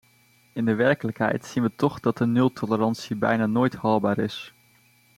In de werkelijkheid zien we toch dat de nultolerantie bijna nooit haalbaar is.